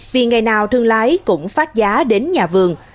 vì ngày nào thương lái cũng phát giá đến nhà vườn